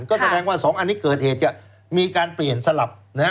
ก็แสดงว่า๒อันนี้เกิดเหตุจะมีการเปลี่ยนสลับ